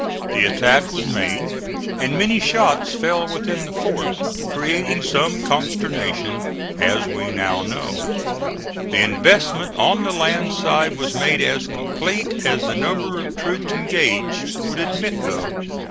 The attack was made and many shots fell within the fort, creating some consternation, as we now know. The investment on the land side was made as complete as the number of troops engaged would admit of.